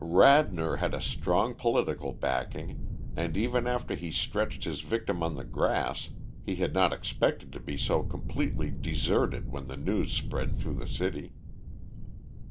Radnor had a strong, political backing, and, even after he stretched his victim on the grass, he had not expected to be so completely deserted when the news spread through the city.